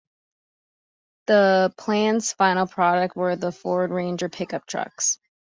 The plant's final products were the Ford Ranger pickup truck.